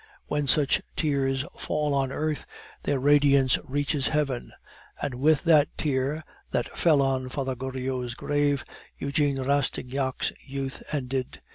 When such tears fall on earth, their radiance reaches heaven. And with that tear that fell on Father Goriot's grave, Eugene Rastignac's youth ended.